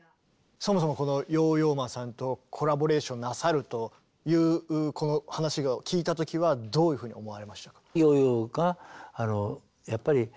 そもそもこのヨーヨー・マさんとコラボレーションなさるというこの話を聞いた時はどういうふうに思われましたか？